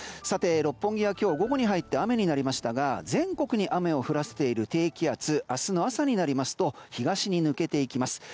六本木は午後に入って雨になりましたが全国に雨を降らせている低気圧明日の朝になりますと東に抜けていきます。